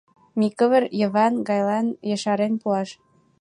— Микывыр Йыван гайлан ешарен пуаш...